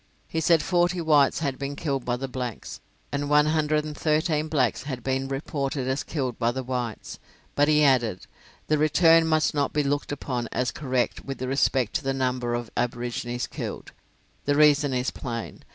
He said forty whites had been killed by the blacks, and one hundred and thirteen blacks had been reported as killed by the whites; but he added, "the return must not be looked upon as correct with respect to the number of aborigines killed." The reason is plain.